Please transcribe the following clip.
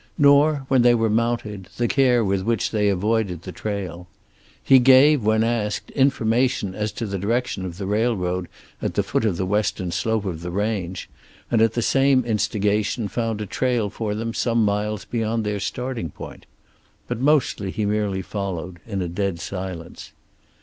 Nor, when they were mounted, the care with which they avoided the trail. He gave, when asked, information as to the direction of the railroad at the foot of the western slope of the range, and at the same instigation found a trail for them some miles beyond their starting point. But mostly he merely followed, in a dead silence.